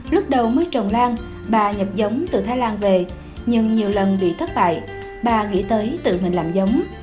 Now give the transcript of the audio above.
lúc đầu mới trồng lan bà nhập giống từ thái lan về nhưng nhiều lần bị thất bại bà nghĩ tới tự mình làm giống